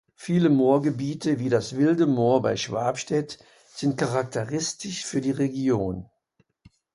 Viele Moorgebiete wie das Wilde Moor bei Schwabstedt sind charakteristisch für die Region.